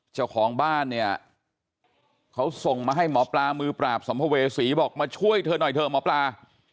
เจ้าของบ้านเนี่ยเขาส่งมาให้หมอปลามือปราบสัมภเวษีบอกมาช่วยเธอหน่อยเถอะหมอปลา